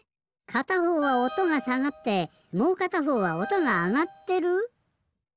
かたほうはおとがさがってもうかたほうはおとがあがってる？